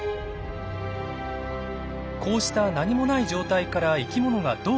こうした何もない状態から生きものがどう増えていくのか。